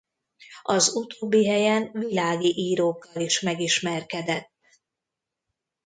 Az utóbbi helyen világi írókkal is megismerkedett.